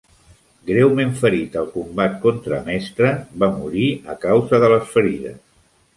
Greument ferit al combat contra Mestre, va morir a causa de les ferides.